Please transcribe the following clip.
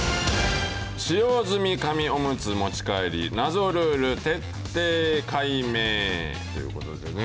使用済み紙おむつ持ち帰り、謎ルール徹底解明、ということですよね。